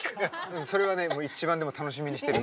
それはね一番楽しみにしてる。